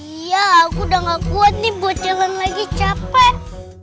iya aku udah gak kuat nih buat jalan lagi capek